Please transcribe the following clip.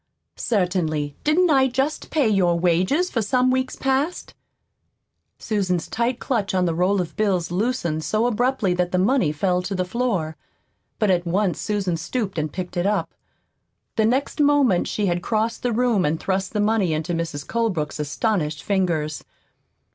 "Certainly. Didn't I just pay you your wages for some weeks past?" Susan's tight clutch on the roll of bills loosened so abruptly that the money fell to the floor. But at once Susan stooped and picked it up. The next moment she had crossed the room and thrust the money into Mrs. Colebrook's astonished fingers.